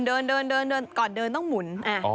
เดินก่อนเดินต้องหมุน